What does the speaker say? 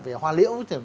về hoa liễu